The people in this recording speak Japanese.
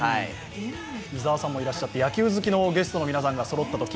伊沢さんもいらっしゃって、野球好きのゲストがそろったと。